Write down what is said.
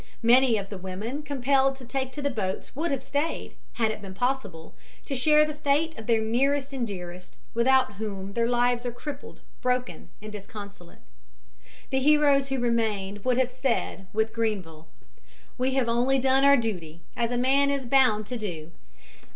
Many of the women compelled to take to the boats would have stayed, had it been possible, to share the fate of their nearest and dearest, without whom their lives are crippled, broken and disconsolate. The heroes who remained would have said, with Grenville. "We have only done our duty, as a man is bound to do."